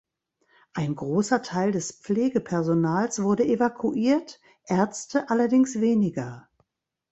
Ein großer Teil des Pflegepersonals wurde evakuiert, Ärzte allerdings weniger.